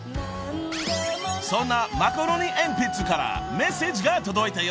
［そんなマカロニえんぴつからメッセージが届いたよ］